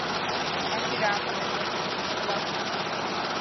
მაშინ, რამდენი ბურთი გვაქვს სულ?